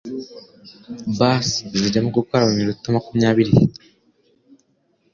Bus zirimo gukora muminota makumya biri.